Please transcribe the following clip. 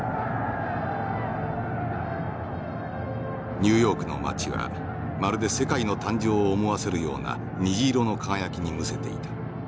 「ニューヨークの街はまるで世界の誕生を思わせるような虹色の輝きにむせていた。